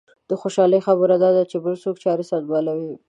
د خوشالۍ خبره دا ده چې بل څوک چارې سنبالوي.